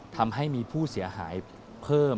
ทำให้มีผู้เสียหายเพิ่ม